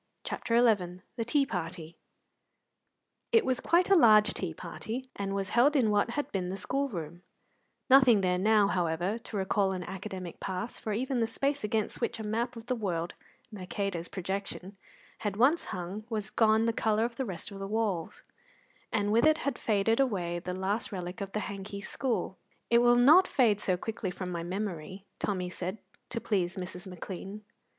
CHAPTER XI THE TEA PARTY It was quite a large tea party, and was held in what had been the school room; nothing there now, however, to recall an academic past, for even the space against which a map of the world (Mercator's projection) had once hung was gone the colour of the rest of the walls, and with it had faded away the last relic of the Hanky School. "It will not fade so quickly from my memory," Tommy said, to please Mrs. McLean.